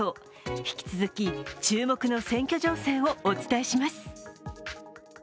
引き続き注目の選挙情勢をお伝えします。